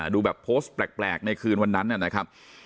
ดูแบบโพสต์แปลกในคืนวันนั้นนะครับ